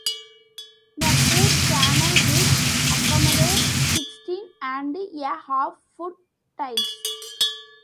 The Hood Canal Bridge accommodates sixteen and a half foot tides.